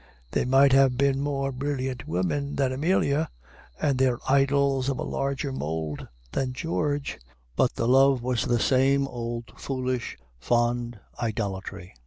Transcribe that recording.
They might have been more brilliant women than Amelia, and their idols of a larger mold than George, but the love was the same old foolish, fond idolatry.